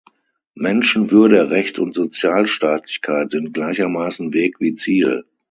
Menschenwürde, Recht und Sozialstaatlichkeit sind gleichermaßen Weg wie Ziel.